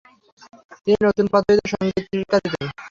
তিনি নতুন পদ্ধতিতে সঙ্গীত শিক্ষা দিতেন ।